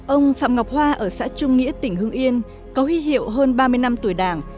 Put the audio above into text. ông phạm ngọc hoa ở xã trung nghĩa tỉnh hưng yên có huy hiệu hơn ba mươi năm tuổi đảng